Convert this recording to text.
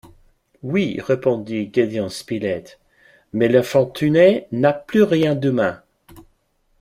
Oui, répondit Gédéon Spilett, mais l’infortuné n’a plus rien d’humain!